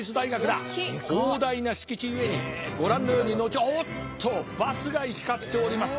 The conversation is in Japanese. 広大な敷地ゆえにご覧のようにおっとバスが行き交っております。